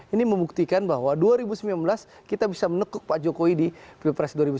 ini membuktikan bahwa dua ribu sembilan belas kita bisa menekuk pak jokowi di pilpres dua ribu sembilan belas